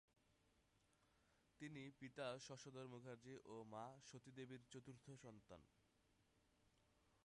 তিনি পিতা শশধর মুখার্জী ও মা সতী দেবীর চতুর্থ সন্তান।